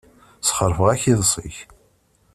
Sxeṛbeɣ-ak iḍes-ik.